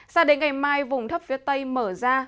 sao đến ngày mai vùng thấp phía tây mở ra